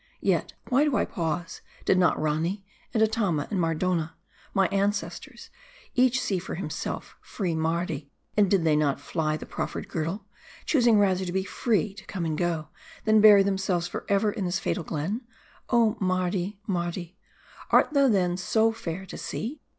Yet why do I pause ? did not Rani, and Atama, and Mardonna, my ancestors, each see for himself, free Mardi ; and did they not fly the proffered girdle ; choosing rather to be free to come and go, than bury themselves forever in this fatal glen ? Oh Mar 260 MARDI. di ! Mardi ! art thou then so fair to see